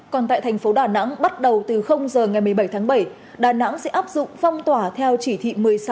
còn tại thành phố đà nẵng bắt đầu từ giờ ngày một mươi bảy tháng bảy đà nẵng sẽ áp dụng phong tỏa theo chỉ thị một mươi sáu